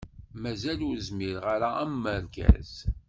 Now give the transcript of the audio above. Mazal-iyi ur zmireɣ ara am urgaz.